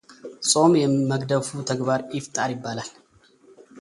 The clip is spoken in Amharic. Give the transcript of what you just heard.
ጾም የመግደፉ ተግባር ኢፍጣር ይባላል።